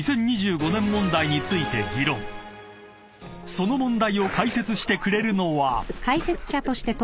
［その問題を解説してくれるのは］